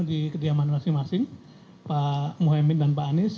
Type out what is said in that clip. jadi kemungkinan masing masing pak muhyemin dan pak anies